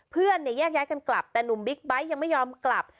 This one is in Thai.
เพื่อนเนี่ยแยกย้ายกันกลับแต่หนุ่มบิ๊กไบท์ยังไม่ยอมกลับ